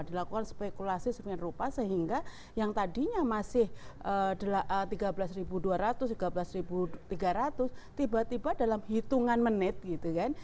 dilakukan spekulasi seminggu rupa sehingga yang tadinya masih rp tiga belas dua ratus tiga belas tiga ratus tiba tiba dalam hitungan menit gitu kan